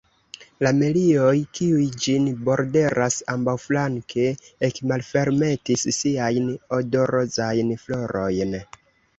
La melioj, kiuj ĝin borderas ambaŭflanke, ekmalfermetis siajn odorozajn florojn.